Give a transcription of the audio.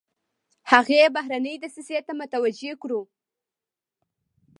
هغې بهرنۍ دسیسې ته متوجه کړو.